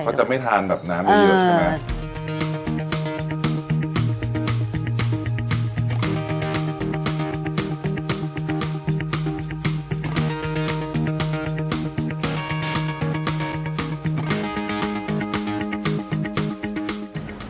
เขาจะไม่ทานน้ำเยอะใช่ไหม